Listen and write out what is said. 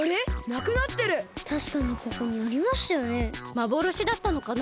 まぼろしだったのかな？